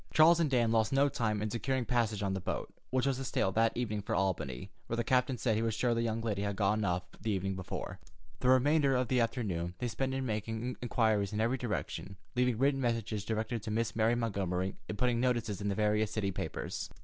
Charles and Dan lost no time in securing passage on the boat, which was to sail that evening for Albany, where the captain said he was sure the young lady had gotten off the evening before. The remainder of the afternoon they spent in making inquiries in every direction, leaving written messages directed to Miss Mary Montgomery, and putting notices in the various city papers.